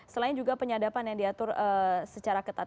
selain juga penyadapan yang diatur secara ketat